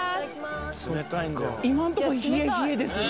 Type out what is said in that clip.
今のとこ冷え冷えですね